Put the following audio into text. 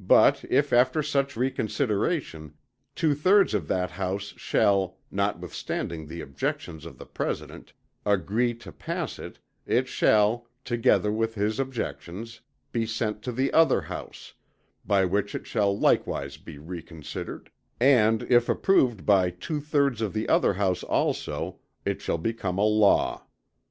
But, if after such reconsideration, two thirds of that House shall, notwithstanding the objections of the President, agree to pass it, it shall, together with his objections, be sent to the other House, by which it shall likewise be reconsidered, and, if approved by two thirds of the other House also, it shall become a law.